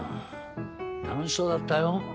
楽しそうだったようん。